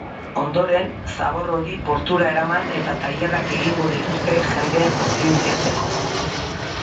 Ondoren, zabor hori portura eraman eta tailerrak egingo dituzte jendea konzienziatzeko.